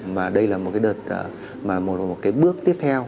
mà đây là một bước tiếp theo